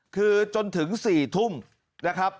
คือจนถึง๔ทุ่มนะครับ